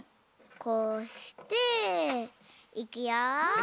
こうしていくよ。